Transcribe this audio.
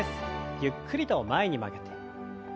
ゆっくりと前に曲げて。